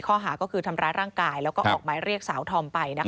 ข้อหาก็คือทำร้ายร่างกายแล้วก็ออกหมายเรียกสาวธอมไปนะคะ